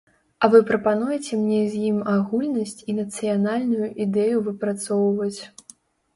А вы прапануеце мне з ім агульнасць і нацыянальную ідэю выпрацоўваць.